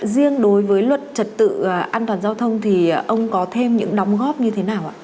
riêng đối với luật trật tự an toàn giao thông thì ông có thêm những đóng góp như thế nào ạ